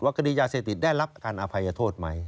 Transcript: คดียาเสพติดได้รับการอภัยโทษไหม